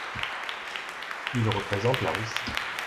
Il représente la Russie.